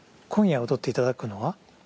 今夜踊っていただくのは？